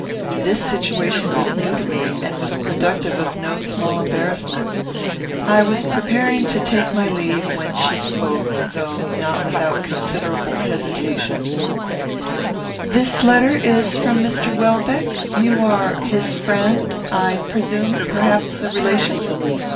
This situation was new to me and was productive of no small embarrassment. I was preparing to take my leave when she spoke, though not without considerable hesitation: "This letter is from Mr. Welbeck you are his friend I presume perhaps a relation?"